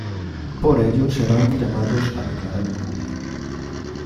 Por ello serán llamados a declarar en junio.